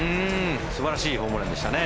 素晴らしいホームランでしたね。